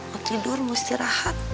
mau tidur mau istirahat